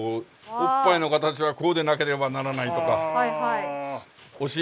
お尻の形はこうでなければならない。へえ。